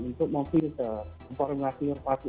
untuk memfilter informasi informasi